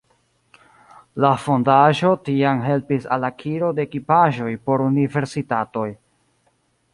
La fondaĵo tiam helpis al akiro de ekipaĵoj por universitatoj.